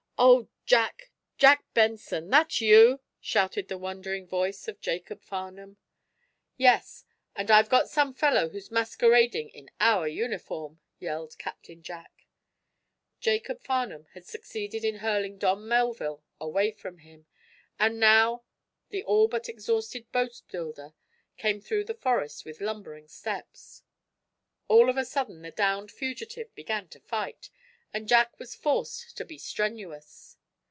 "Oh, Jack! Jack Benson! That you?" shouted the wondering voice of Jacob Farnum. "Yes, and I've got some fellow who's masquerading in our uniform!" yelled Captain Jack. Jacob Farnum had succeeded in hurling Don Melville away from him, and now the all but exhausted boatbuilder came through the forest with lumbering steps. All of a sudden the downed fugitive began to fight, and Jack was forced to be strenuous.